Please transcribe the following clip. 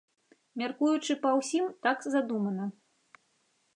Мяркуючы па ўсім, так задумана.